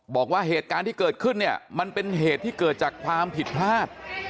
บอกว่าเหตุการณ์ที่เกิดขึ้นเนี่ยมันเป็นเหตุที่เกิดจากความผิดพลาด